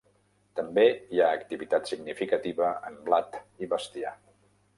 També hi ha activitat significativa en blat i bestiar.